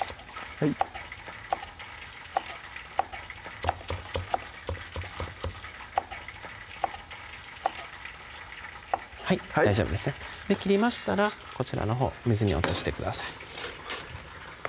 はいはい大丈夫ですね切りましたらこちらのほう水に落としてください